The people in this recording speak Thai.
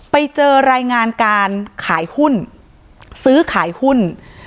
ไปเจอรายงานการขายหุ้นซื้อขายหุ้น